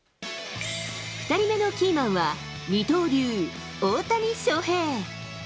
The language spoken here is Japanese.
２人目のキーマンは、二刀流、大谷翔平。